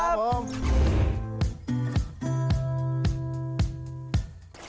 ครับผม